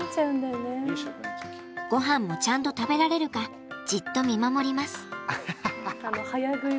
ごはんもちゃんと食べられるかじっと見守ります。